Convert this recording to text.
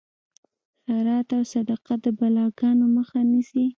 خیرات او صدقه د بلاګانو مخه نیسي.